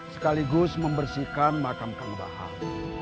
sekaligus membersihkan makam kang bahar